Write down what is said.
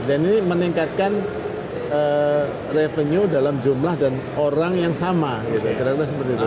dan ini meningkatkan revenue dalam jumlah dan orang yang sama gitu